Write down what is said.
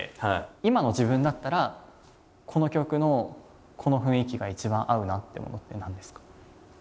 今の自分だったらこの曲のこの雰囲気が一番合うなっていうものって何ですか？